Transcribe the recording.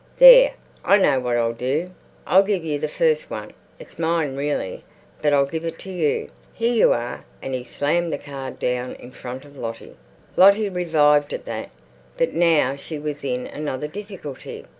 "There, I know what I'll do. I'll give you the first one. It's mine, really, but I'll give it to you. Here you are." And he slammed the card down in front of Lottie. Lottie revived at that. But now she was in another difficulty.